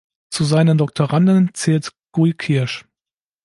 Zu seinen Doktoranden zählt Guy Kirsch.